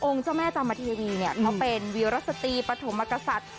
เจ้าแม่จามเทวีเนี่ยเขาเป็นวีรสตรีปฐมกษัตริย์